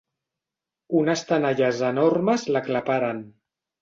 Unes tenalles enormes l'aclaparen.